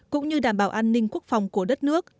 cũng như đảm bảo an ninh quốc phòng của đất nước